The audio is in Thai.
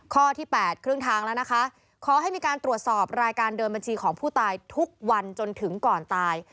ข้อที่๘ครึ่งทางแล้วนะคะขอให้มีการตรวจสอบรายการเดินบัญชีของผู้ตายทุกวันจนถึงก่อนตาย